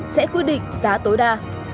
sẽ quy định giá tối đa